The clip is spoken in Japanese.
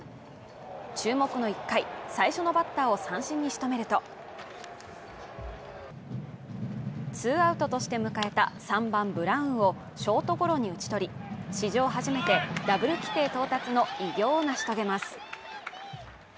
注目の１回最初のバッターを三振に仕留めるとツーアウトとして迎えた３番ブラウンをショートゴロに打ち取り史上初めてダブル規定到達の偉業を成し遂げます